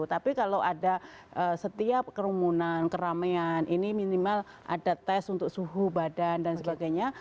tapi kalau ada setiap kerumunan keramaian ini minimal ada tes untuk suhu badan dan sebagainya